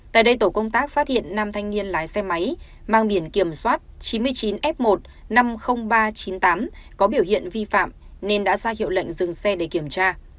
tại đây tổ công tác phát hiện năm thanh niên lái xe máy mang biển kiểm soát chín mươi chín f một năm mươi nghìn ba trăm chín mươi tám có biểu hiện vi phạm nên đã ra hiệu lệnh dừng xe để kiểm tra